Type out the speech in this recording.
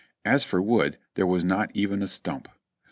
As for wood, there was not even a stump.